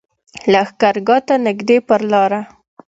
لښکرګاه ته نږدې پر لاره.